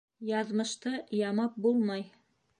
Яҙмышты ямап булмай.